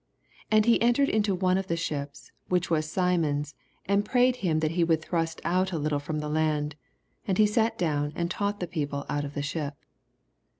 8 And he entered into one of the ships, which was Simon^s, and prayed him tnat he would thrnst out a little from the land. And he sat down, and taaght the people ont of the ship.